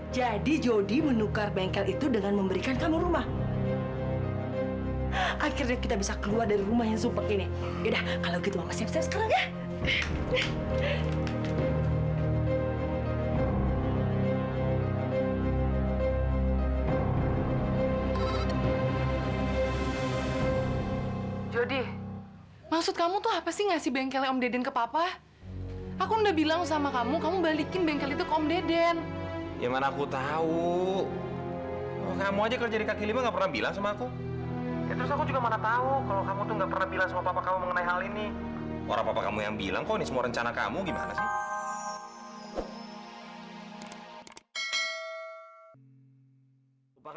jangan lupa subscribe channel ini untuk dapat info terbaru